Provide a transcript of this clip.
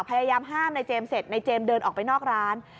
พยายามห้ามในเจมส์เสร็จในเจมส์เดินออกไปนอกร้าน